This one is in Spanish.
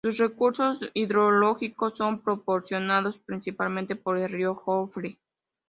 Sus recursos hidrológicos son proporcionados principalmente por el río Jofre.